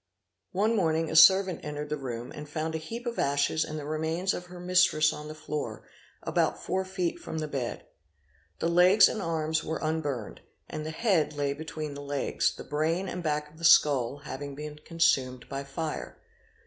One morning a servant entered the room and found a heap of ashes and the remains of her mistress on the floor, about four feet from the bed. The legs and arms were unburned and the head lay between the legs, the brain and back of the skull having been consumed by fire.